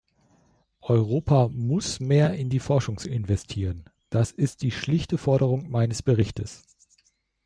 Europa muss mehr in die Forschung investieren, das ist die schlichte Forderung meines Berichts.